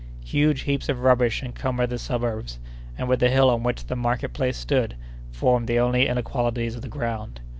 Huge heaps of rubbish encumbered the suburbs, and, with the hill on which the market place stood, formed the only inequalities of the ground.